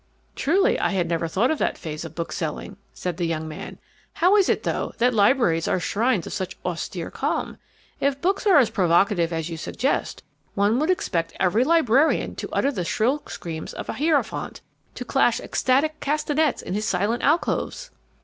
"Truly, I had never thought of that phase of bookselling," said the young man. "How is it, though, that libraries are shrines of such austere calm? If books are as provocative as you suggest, one would expect every librarian to utter the shrill screams of a hierophant, to clash ecstatic castanets in his silent alcoves!"